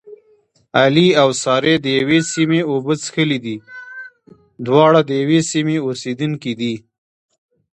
علي او سارې دیوې سیمې اوبه څښلې دي. دواړه د یوې سیمې اوسېدونکي دي.